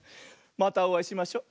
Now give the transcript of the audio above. またおあいしましょ。